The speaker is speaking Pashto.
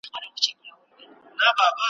چي پخپله څوک په ستونزه کي اخته وي .